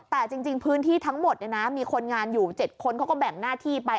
แต่จริงพื้นที่ทั้งหมดมีคนงานอยู่๗คนเขาก็แบ่งหน้าที่ไป